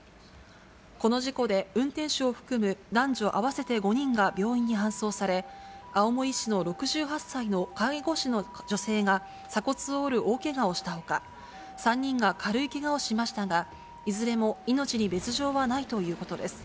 この事故で、運転手を含む男女合わせて５人が病院に搬送され、青森市の６８歳の介護士の女性が鎖骨を折る大けがをしたほか、３人が軽いけがをしましたが、いずれも命に別状はないということです。